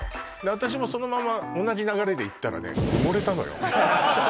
私もそのまま同じ流れでいったらね埋もれたのよ